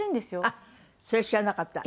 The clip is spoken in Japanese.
あっそれ知らなかった。